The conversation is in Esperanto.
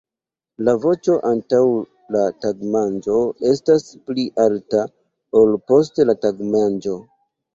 La voĉo antaŭ la tagmanĝo estas pli alta, ol post la tagmanĝo.